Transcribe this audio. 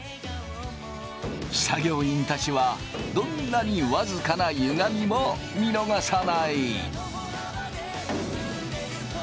作業員たちはどんなに僅かなゆがみも見逃さない。